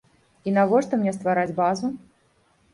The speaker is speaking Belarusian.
І навошта мне ствараць базу?